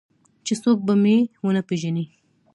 چې څوک به مې ونه پېژني.